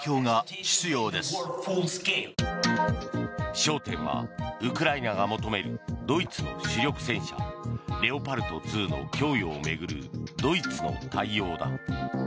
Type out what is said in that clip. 焦点はウクライナが求めるドイツの主力戦車レオパルト２の供与を巡るドイツの対応だ。